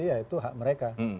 ya itu hak mereka